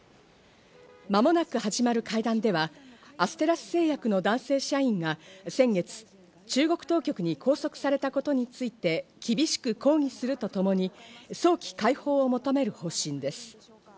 間もなく始まる会談では、アステラス製薬の男性社員が先月、中国当局に拘束されたことについて厳しく抗議するとともに早期解放を求める方針です。